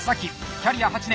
キャリア８年。